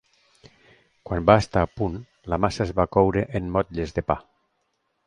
Quan va estar a punt, la massa es va coure en motlles de pa.